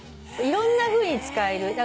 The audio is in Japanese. いろんなふうに使える。